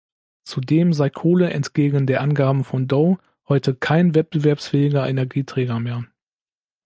Zudem sei Kohle entgegen der Angaben von Dow heute kein wettbewerbsfähiger Energieträger mehr.